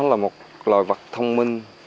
nó là một loài vật thông minh